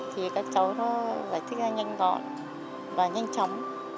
thì các cháu nó giải thích ra nhanh gọn và nhanh chóng